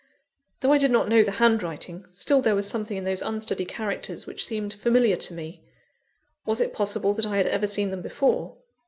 Though I did not know the handwriting, still there was something in those unsteady characters which seemed familiar to me. Was it possible that I had ever seen them before?